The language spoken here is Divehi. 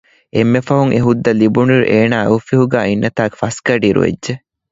އެންމެ ފަހުން އެ ހުއްދަ ލިބުނުއިރު އޭނާ އެ އޮފީހުގައި އިންނަތާ ފަސްގަޑިއިރު ވެއްޖެ